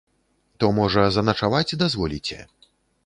То, можа, заначаваць дазволіце?